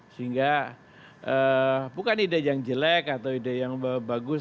sehingga bukan ide yang jelek atau ide yang bagus